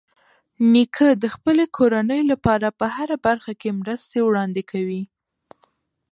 نیکه د خپلې کورنۍ لپاره په هره برخه کې مرستې وړاندې کوي.